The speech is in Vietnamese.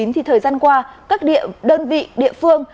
thì thời gian qua các đơn vị địa phương